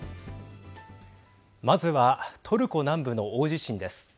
まずはトルコ南部の大地震です。